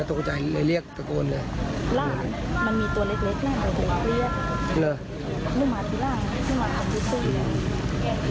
ลูกหมาที่ล่างลูกหมาที่ซู่